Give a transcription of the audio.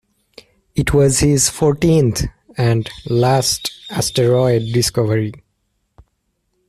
It was his fourteenth and last asteroid discovery.